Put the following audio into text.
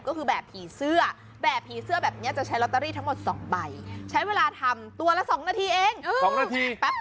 ก็คือแบบผีเสื้อแบบผีเสื้อแบบนี้จะใช้ลอตเตอรี่ทั้งหมด๒ใบใช้เวลาทำตัวละ๒นาทีเอง๒นาทีแป๊บ